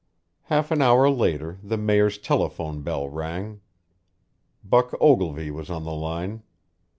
Half an hour later the Mayor's telephone bell rang. Buck Ogilvy was on the line.